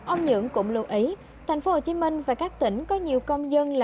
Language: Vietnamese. ông nhưỡng cũng lưu ý thành phố hồ chí minh và các tỉnh có nhiều công dân